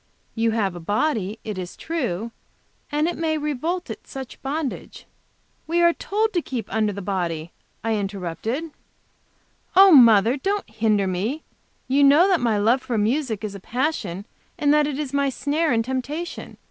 You have a body, it is true, and it may revolt at such bondage " "We are told to keep under the body," I interrupted. "Oh, mother, don't hinder me! You know my love for music is a passion and that it is my snare and temptation.